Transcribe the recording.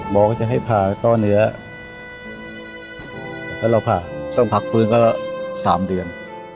บอกว่าจะให้พาต้อเนื้อแล้วเราพาต้องพักฟื้นก็สามเดือน